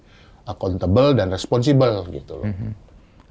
dan tentu yang lebih akuntabel dan responsibel gitu loh